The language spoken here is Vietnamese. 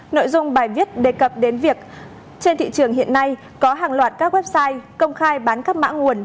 nội dung bài viết đề cập đến việc trên thị trường hiện nay có hàng loạt các website công khai bán các mã nguồn